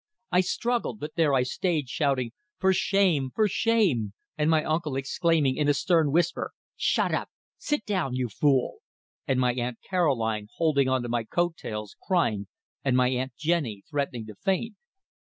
I struggled, but there I stayed, shouting, "For shame! For shame!" and my uncle exclaiming, in a stern whisper, "Shut up! Sit down, you fool!" and my Aunt Caroline holding onto my coat tails, crying, and my aunt Jennie threatening to faint.